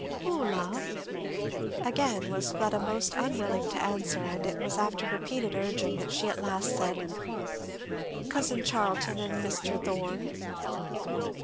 "Who, love?" Again was Fleda most unwilling to answer, and it was after repeated urging that she at last said, "Cousin Charlton and Mr. Thorn."